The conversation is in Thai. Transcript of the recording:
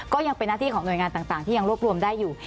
ก็ยังเป็นหน้าที่ของหน่วยงานต่างที่ยังรวบรวมได้อยู่